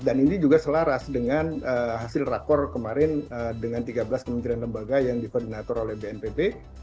dan ini juga selaras dengan hasil rakor kemarin dengan tiga belas kementerian lembaga yang difordinator oleh bnpb